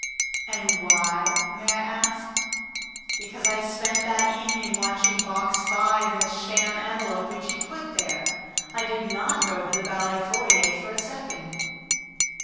"And why, may I ask?" "Because I spent that evening watching Box Five and the sham envelope which you put there. I did not go to the ballet foyer for a second."